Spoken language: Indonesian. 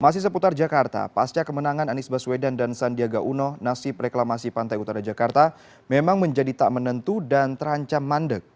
masih seputar jakarta pasca kemenangan anies baswedan dan sandiaga uno nasib reklamasi pantai utara jakarta memang menjadi tak menentu dan terancam mandek